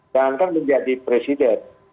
jangankan menjadi presiden